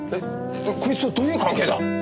こいつとどういう関係だ？